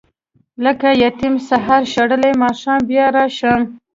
لکه یتیم سهار شړلی ماښام بیا راشم.